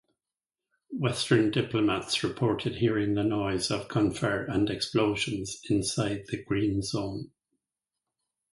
Western diplomats reported hearing the noise of gunfire and explosions inside the Green Zone.